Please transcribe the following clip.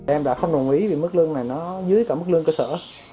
em đã không đồng ý vì mức lương này nó dưới cả mức lương cơ sở